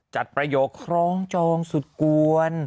ประโยคคล้องจองสุดกวน